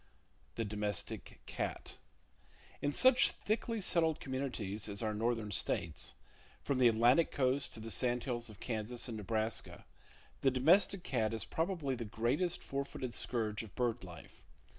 The Domestic Cat. —In such thickly settled communities as our northern states, from the Atlantic coast to the sandhills of Kansas and Nebraska, the domestic cat is probably the greatest four footed scourge of bird life.